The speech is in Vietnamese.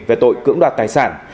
về tội cưỡng đoạt tài sản